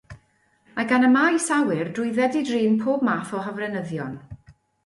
Mae gan y maes awyr drwydded i drin pob math o hofrenyddion.